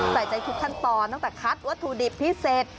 ใส่ใจทุกขั้นตอนตั้งแต่คัดวัตถุดิบพิเศษ